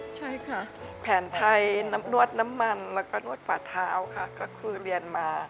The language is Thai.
ใช่ค่ะแผนไทยน้ำนวดน้ำมันแล้วก็นวดฝ่าเท้าค่ะก็คือเรียนมา